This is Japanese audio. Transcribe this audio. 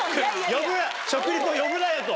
もう食リポ呼ぶなよと。